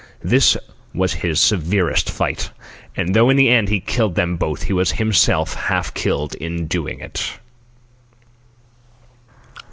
This was his severest fight, and though in the end he killed them both he was himself half killed in doing it.